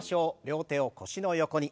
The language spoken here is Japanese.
両手を腰の横に。